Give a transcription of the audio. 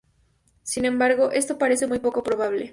Sin embargo, esto parece muy poco probable.